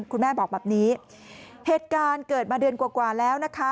คุณแม่บอกแบบนี้เหตุการณ์เกิดมาเดือนกว่าแล้วนะคะ